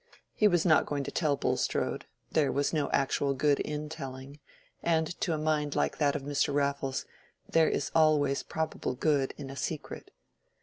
He was not going to tell Bulstrode: there was no actual good in telling, and to a mind like that of Mr. Raffles there is always probable good in a secret.